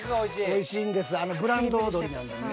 おいしいんですブランド鶏なんでね。